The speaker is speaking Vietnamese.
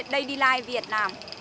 đây là giá việt nam